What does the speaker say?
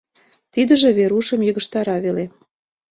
Тидыже Верушым йыгыжтара веле.